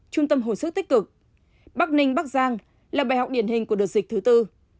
trung tâm hồi sức tích cực bắc ninh bắc giang là bài học điển hình của đợt dịch thứ tư